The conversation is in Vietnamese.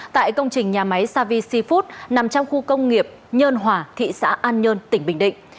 tại công trình nhà máy savi food nằm trong khu công nghiệp nhơn hòa thị xã an nhơn tỉnh bình định